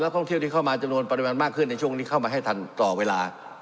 ท่องเที่ยวที่เข้ามาจำนวนปริมาณมากขึ้นในช่วงนี้เข้ามาให้ทันต่อเวลา